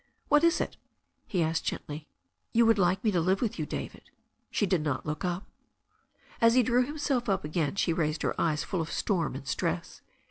"What is it ?" he asked gently. "You would like me to live with you, David." She did not look up. As he drew himself up again she raised her eyes full of storm and stress.